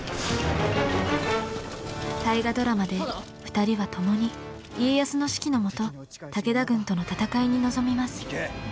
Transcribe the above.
「大河ドラマ」で２人はともに家康の指揮の下武田軍との戦いに臨みます。